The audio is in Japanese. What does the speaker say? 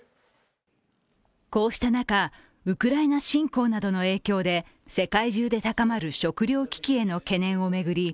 こうした中、ウクライナ侵攻などの影響で世界中で高まる食糧危機への懸念を巡り